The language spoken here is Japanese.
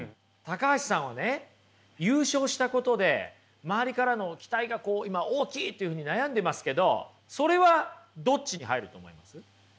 橋さんはね優勝したことで周りからの期待がこう今大きいというふうに悩んでますけどそれはどっちに入ると思います？